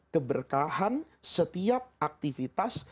keberkahan setiap aktivitas